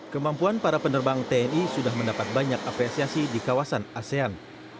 kemampuan para penerbang tni sudah mendapat banyak apresiasi di kawasan asean